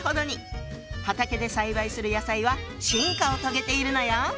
畑で栽培する野菜は進化を遂げているのよ！